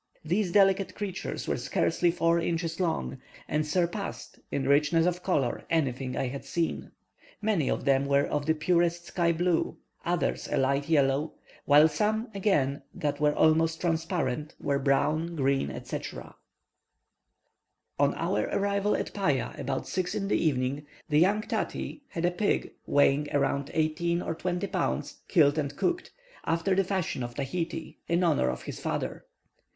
These delicate creatures were scarcely four inches long, and surpassed in richness of colour anything I had ever seen. Many of them were of the purest sky blue, others a light yellow, while some, again, that were almost transparent, were brown, green, etc. On our arrival at Paya, about 6 in the evening, the young Tati had a pig, weighing eighteen or twenty pounds, killed and cooked, after the fashion of Tahiti, in honour of his father.